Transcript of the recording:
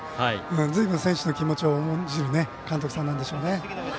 ずいぶん選手の気持ちを重んじる監督さんなんでしょうね。